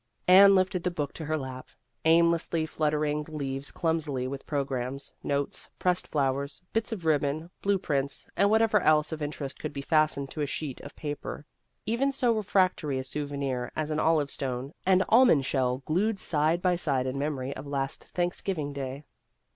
Anne lifted the book to her lap, aim lessly fluttering the leaves clumsy with programs, notes, pressed flowers, bits of ribbon, blue prints, and whatever else of interest could be fastened to a sheet of pa per even so refractory a souvenir as an olive stone and almond shell glued side by side in memory of last Thanksgiving Day.